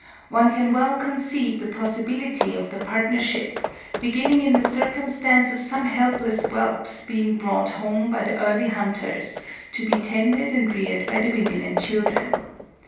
One can well conceive the possibility of the partnership beginning in the circumstance of some helpless whelps being brought home by the early hunters to be tended and reared by the women and children.